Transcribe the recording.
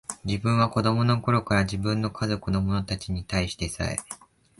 自分は子供の頃から、自分の家族の者たちに対してさえ、